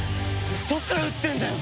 どこから撃ってんだよ！